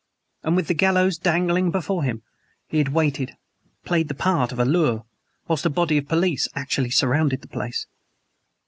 And, with the gallows dangling before him, he had waited played the part of a lure whilst a body of police actually surrounded the place!